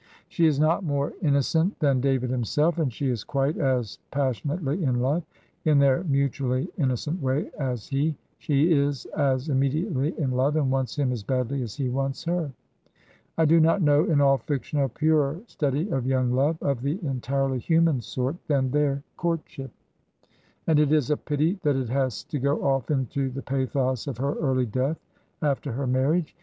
She is not more innocent than David himself, and she is quite as passionately in love, in their mutually innocent way, as he; she is as im mediately in love, and wants him as badly as he wants her. I do not know in all fiction a purer study of young love, of the entirely hiunan sort, than their courtship; 146 Digitized by VjOOQIC HEROINES OF DICKENS'S MIDDLE PERIOD and it is a pity that it has to go oflf into the pathos of her early death after her marriage.